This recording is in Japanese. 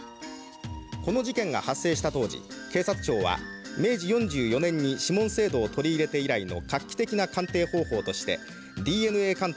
この事件が発生した当時警察庁は明治４４年に指紋制度を取り入れて以来の画期的な鑑定方法としてＤＮＡ鑑定を犯罪捜査に本格的に導入したばかりでした。